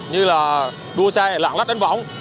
như đua xe lạng lách đánh võng